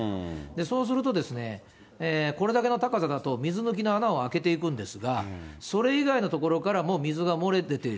そうするとですね、これだけの高さだと水抜きの穴を開けていくんですが、それ以外の所からも水が漏れている。